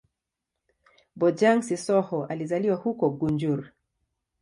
Bojang-Sissoho alizaliwa huko Gunjur.